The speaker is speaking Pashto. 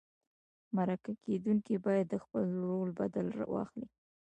مرکه کېدونکی باید د خپل رول بدل واخلي.